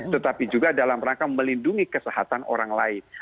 tetapi juga dalam rangka melindungi kesehatan orang lain